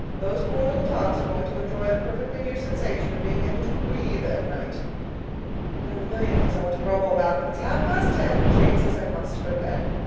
Those poor little tots are going to enjoy the perfectly new sensation of being able to breathe at night. There are a million things I want to grumble about, but it's half past ten, and Jane says I MUST go to bed.